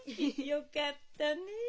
よかったねえ。